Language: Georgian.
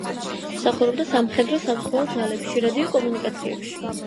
მსახურობდა სამხედრო-საზღვაო ძალებში, რადიო კომუნიკაციებში.